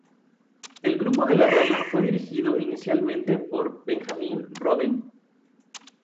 El grupo de la Rama fue dirigido inicialmente por Benjamin Roden.